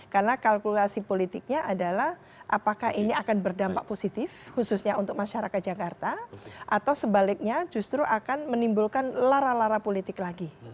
karena kalkulasi politiknya adalah apakah ini akan berdampak positif khususnya untuk masyarakat jakarta atau sebaliknya justru akan menimbulkan lara lara politik lagi